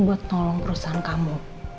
buat tolong perusahaan kamu